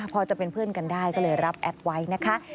พอจะเป็นเพื่อนกันได้ก็เลยรับแอปไว้นะคะ